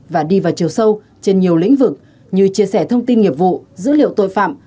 và đi vào chiều sâu trên nhiều lĩnh vực như chia sẻ thông tin nghiệp vụ dữ liệu tội phạm